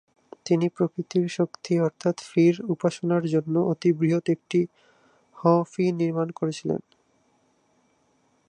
তিনি প্রকৃতির শক্তি অর্থাৎ ফির উপাসনার জন্য অতি বৃহৎ একটি হ'-ফি নির্মাণ করেছিলেন।